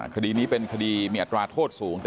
คดีนี้เป็นคดีมีอัตราโทษสูง